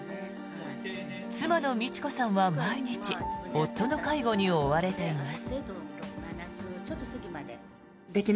妻の美智子さんは毎日夫の介護に追われています。